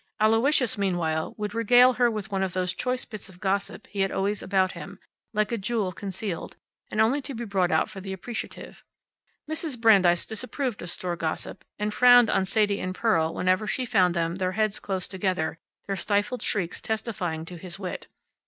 Aloysius, meanwhile, would regale her with one of those choice bits of gossip he had always about him, like a jewel concealed, and only to be brought out for the appreciative. Mrs. Brandeis disapproved of store gossip, and frowned on Sadie and Pearl whenever she found them, their heads close together, their stifled shrieks testifying to his wit.